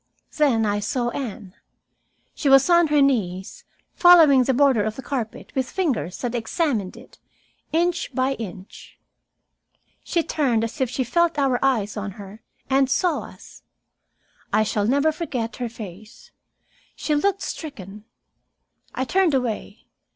Then I saw Anne. She was on her knees, following the border of the carpet with fingers that examined it, inch by inch. She turned, as if she felt our eyes on her, and saw us. I shall never forget her face. She looked stricken. I turned away.